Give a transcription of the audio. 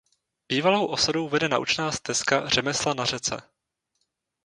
Bývalou osadou vede naučná stezka Řemesla na řece.